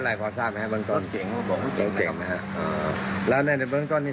พอทราบไหมฮะบ้างต้นเจ๋งบ้างต้นเจ๋งนะฮะอ๋อแล้วในบ้างต้นนี่